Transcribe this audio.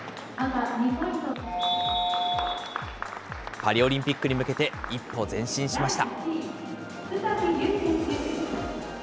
パリオリンピックに向けて、一歩前進しました。